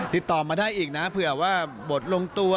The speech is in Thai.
ติดต่อมาได้อีกนะเผื่อว่าบทลงตัว